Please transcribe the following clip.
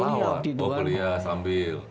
waktu kuliah sambil